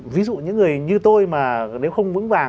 ví dụ những người như tôi mà nếu không vững vàng